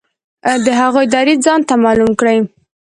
د هغوی دریځ ځانته معلوم کړي.